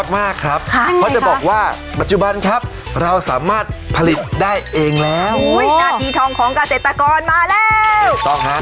มากครับเพราะจะบอกว่าปัจจุบันครับเราสามารถผลิตได้เองแล้วหน้าที่ทองของเกษตรกรมาแล้วถูกต้องฮะ